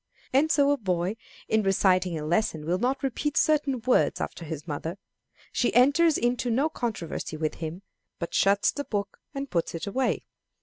And so a boy in reciting a lesson will not repeat certain words after his mother. She enters into no controversy with him, but shuts the book and puts it away.